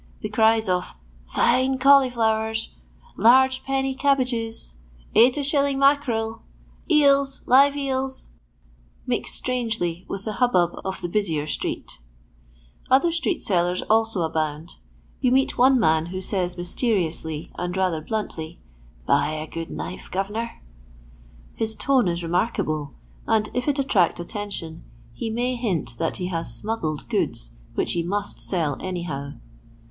The cries of " Fine cauliflowers," " Lar^ penny cabbages," " Eight a shilling, mackarel," " Eels, live eels," mix strangely with the hubbub of the busier street Other street sellers also abound. You meet one man who says mysteriously, and rather bluntly, ''Buy a good knife, goTemor." His tone is re* markable, and if it attract attention, he may hint that he has smuggled goods which he mvit sell anyhow.